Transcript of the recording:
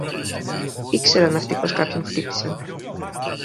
Ήξεραν αυτοί πως κάποιον χτύπησαν